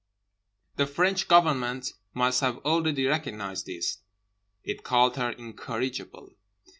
The French Government must have already recognized this; it called her incorrigible.